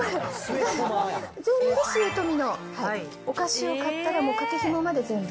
全部末富のお菓子を買ったら、もうかけひもまで全部。